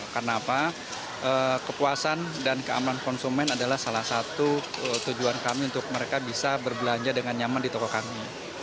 karena apa kepuasan dan keamanan konsumen adalah salah satu tujuan kami untuk mereka bisa berbelanja dengan nyaman di toko kami